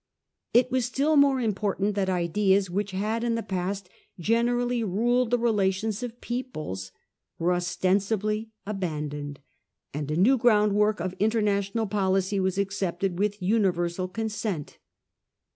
It was still more important that ideas which had in the past generally ruled the relations of peoples were ostentatiously abandoned, and a new groundwork of inter national policy was accepted with universal consent.